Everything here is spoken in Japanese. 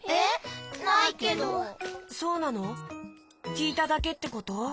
きいただけってこと？